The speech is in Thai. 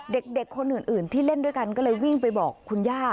เด็กคนอื่นที่เล่นด้วยกันก็เลยวิ่งไปบอกคุณย่า